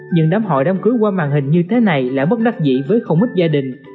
nhưng đám hội đám cưới qua màn hình như thế này là mất đặc dị với không ít gia đình